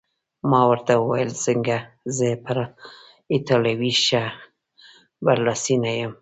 ما ورته وویل: څنګه، زه پر ایټالوي ښه برلاسی نه یم؟